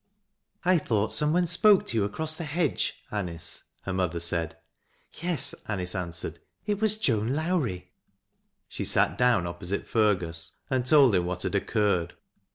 " I thought some one spoke to you across the hedge, Anice ?" her mother said. " Yes," Anice answered. " It was Joan Lowrie." She sat down opposite Fergus, and told him what had occurred.